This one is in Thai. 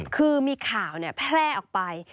คือมีข่าวแพร่ออกไป